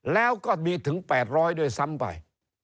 แล้วก็มีถึง๘๐๐ด้วยซ้ำไป